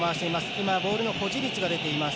今、ボールの保持率が出ています。